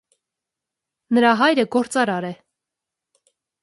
Նրա հայրը գործարար էր։